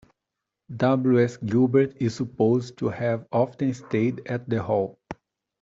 W. S. Gilbert is supposed to have often stayed at the Hall.